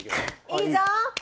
いいぞ。